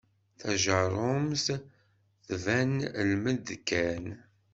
Tajerrumt tban lmed kan.